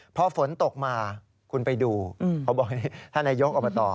พอฝนตกมาคุณไปดูเขาบอกท่านนายกอบต